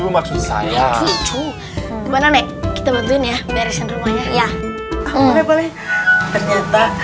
tujuh maksud saya kita bantuin ya beresin rumahnya ya